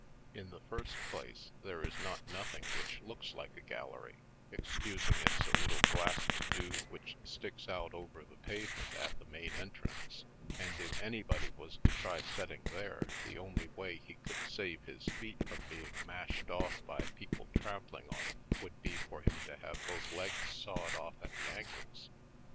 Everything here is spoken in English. In the first place, there is not nothing which looks like a gallery, excusing it's a little glass to do which sticks out over the pavement at the main entrance, and if any body was to try setting there the only way he could save his feet from being mashed off by people trampling on 'em would be for him to have both legs sawed off at the ankles.